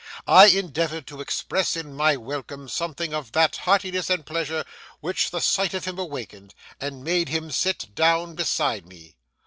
I endeavoured to express in my welcome something of that heartiness and pleasure which the sight of him awakened, and made him sit down beside me.